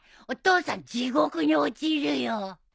お父さん地獄に落ちるよ！